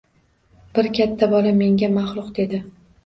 Bir katta bola menga maxluq dedi